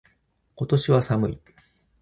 今年は寒い。